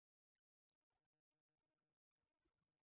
景泰三年又因为距离崇武所太远而迁到晋江石狮。